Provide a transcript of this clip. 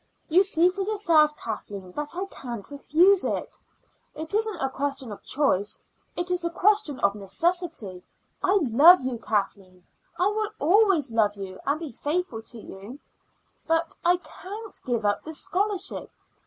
You see for yourself, Kathleen, that I can't refuse it. It isn't a question of choice; it is a question of necessity. I love you. Kathleen I will always love you and be faithful to you but I can't give up the scholarship."